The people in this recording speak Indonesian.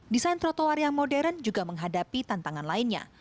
desain trotoar yang modern juga menghadapi tantangan lainnya